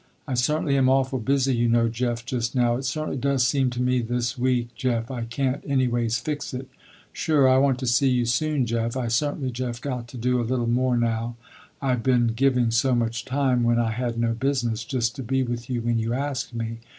I certainly am awful busy you know Jeff just now. It certainly does seem to me this week Jeff, I can't anyways fix it. Sure I want to see you soon Jeff. I certainly Jeff got to do a little more now, I been giving so much time, when I had no business, just to be with you when you asked me.